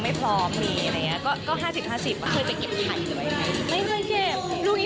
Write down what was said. แต่ตอนนี้๕๐๕๐แล้วไม่รู้ว่าตัวเองมีได้หรือไม่ได้